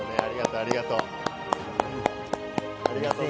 ありがとう。